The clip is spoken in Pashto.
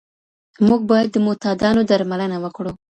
موږ بايد د معتادانو درملنه وکړو.